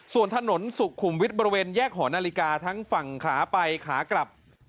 ส่วนถนนสุขุมวิทย์บริเวณแยกหอนาฬิกาทั้งฝั่งขาไปขากลับ